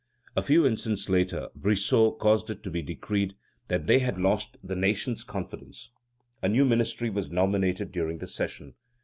A few instants later, Brissot caused it to be decreed that they had lost the nation's confidence. A new ministry was nominated during the session.